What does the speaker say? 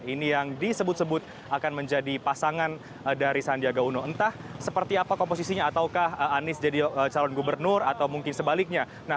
ini yang disebut sebut akan menjadi pasangan dari sandiaga uno entah seperti apa komposisinya ataukah anies jadi calon gubernur atau mungkin sebaliknya